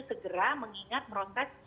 segera mengingat proses